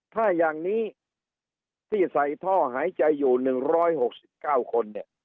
ถ้าอย่างนี้ที่ใส่ท่อหายใจอยู่๑๖๙คนเนี่ย